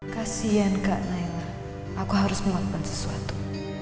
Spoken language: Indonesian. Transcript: kasian kak naila aku harus menguatkan sesuatu